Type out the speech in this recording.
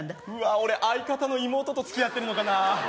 俺相方の妹と付き合ってるのかな